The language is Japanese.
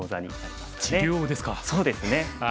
そうですね。